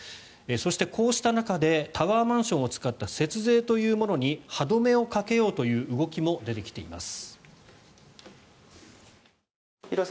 そして、こうした中でタワーマンションを使った節税というものに歯止めをかけようという動きも出てきています。